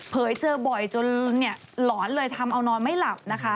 เผยเจอบ่อยจนหลอนเลยทำเอานอนไม่หลับนะคะ